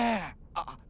あっ。